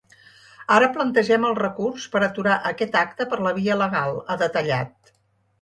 Ara plantegem el recurs per aturar aquest acte per la via legal, ha detallat.